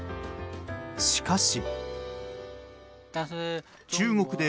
しかし。